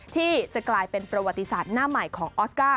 ที่จะกลายเป็นประวัติศาสตร์หน้าใหม่ของออสการ์